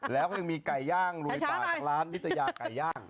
แล้วก็ยังมีไก่ย่างลุยตาจากร้านนิตยาไก่ย่าง